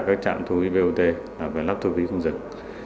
các trạm thu phí bot